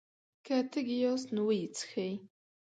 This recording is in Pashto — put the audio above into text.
که تږي ياست نو ويې څښئ!